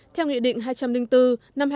theo nguyện định hai trăm linh bốn